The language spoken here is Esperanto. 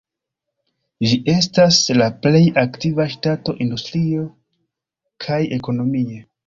Ĝi estas la plej aktiva ŝtato industrie kaj ekonomie.